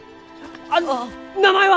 あ名前は！？